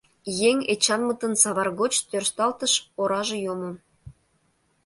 Еҥ Эчанмытын савар гоч тӧршталтыш, ораже йомо.